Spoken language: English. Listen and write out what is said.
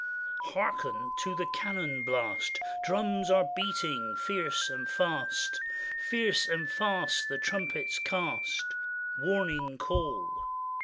Harken to the cannon blast I Drums are beating fierce and fast: Fierce and fast the trumpets cast Warning call.